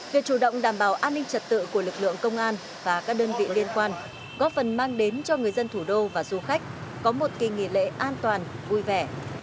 việc chủ động đảm bảo an ninh trật tự của lực lượng công an và các đơn vị liên quan góp phần mang đến cho người dân thủ đô và du khách có một kỳ nghỉ lễ an toàn vui vẻ